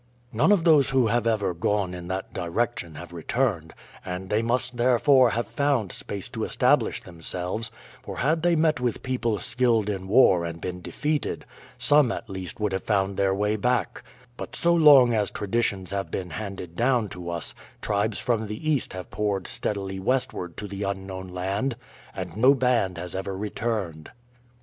"None of those who have ever gone in that direction have returned, and they must therefore have found space to establish themselves, for had they met with people skilled in war and been defeated, some at least would have found their way back; but so long as traditions have been handed down to us tribes from the east have poured steadily westward to the unknown land, and no band has ever returned."